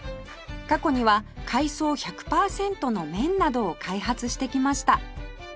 過去には海藻１００パーセントの麺などを開発してきました